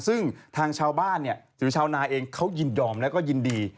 ซึ่งทางชาวบ้านเนี่ยหรือชาวนาเองเขายินยอมแล้วก็ยินดี